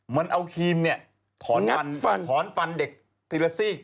มันเอาครีมเนี่ยถอนฟันถอนฟันเด็กทีละซีก